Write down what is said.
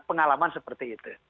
pengalaman seperti itu